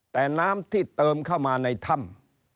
แต่น้ำที่เติมเข้ามาในถ้ำ